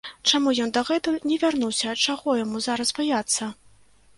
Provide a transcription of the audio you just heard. Чаму ён дагэтуль не вярнуўся, чаго яму зараз баяцца?